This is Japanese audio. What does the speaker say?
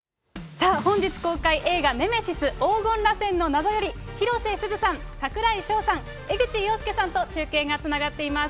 さあ、本日公開、映画、ネメシス黄金螺旋の謎より、広瀬すずさん、櫻井翔さん、江口洋介さんと中継がつながっています。